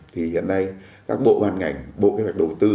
thì hiện nay các bộ ban ngành bộ kế hoạch đầu tư